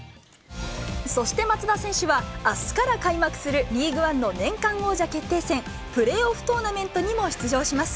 そして松田選手は、あすから開幕するリーグワンの年間王者決定戦、プレーオフトーナメントにも出場します。